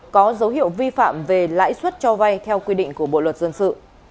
có dấu hiệu vi phạm về lãi suất cho vay theo quy định của bộ luật dân sự